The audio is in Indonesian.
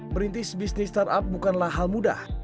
merintis bisnis startup bukanlah hal mudah